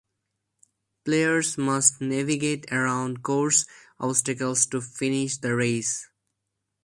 Players must navigate around course obstacles to finish the race.